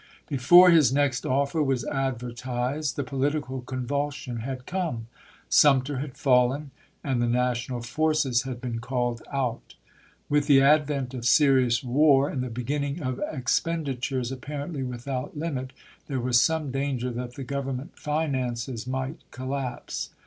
Before his next offer was advertised the political convulsion had come. Sumter had fallen, and the national forces had been called out. With the ad vent of serious war and the beginning of expendi tures apparently without limit there was some danger that the Grovernment finances might col lapse.